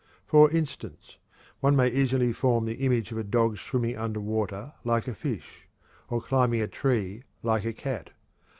For instance, one may easily form the image of a dog swimming under water like a fish, or climbing a tree like a cat.